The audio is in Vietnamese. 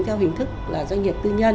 theo hình thức doanh nghiệp tư nhân